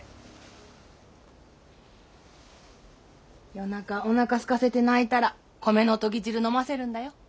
夜中おなかすかせて泣いたら米のとぎ汁飲ませるんだよ。